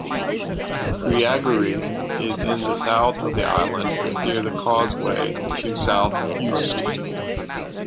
Creagorry is in the south of the island, near the causeway to South Uist.